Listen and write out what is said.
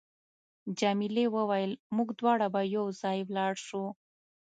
جميلې وويل: موږ دواړه به یو ځای ولاړ شو.